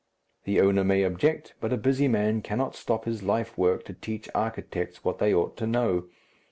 The owner may object, but a busy man cannot stop his life work to teach architects what they ought to know.